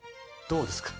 どうですか？